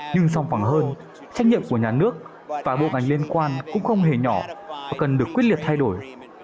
nhưng song phẳng hơn trách nhiệm của nhà nước và bộ ngành liên quan cũng không hề nhỏ và cần được quyết liệt thay đổi